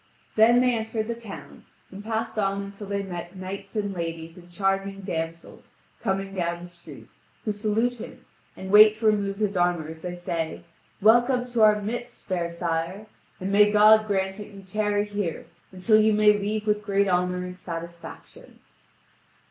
Then they entered the town, and passed on until they met knights and ladies and charming damsels coming down the street, who salute him and wait to remove his armour as they say: "Welcome to our midst, fair sire! And may God grant that you tarry here until you may leave with great honour and satisfaction!"